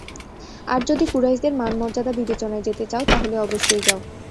আর যদি কুরাইশদের মান-মর্যাদা বিবেচনায় যেতে চাও তাহলে অবশ্যই যাও।